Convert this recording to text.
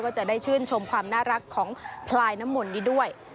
ก็ได้ชื่นชมความน่ารักของพลายนม้วนนี่ด้วย